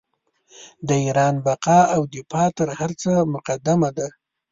د ایران بقا او دفاع تر هر څه مقدمه ده.